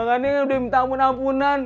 tangannya udah minta ampun ampunan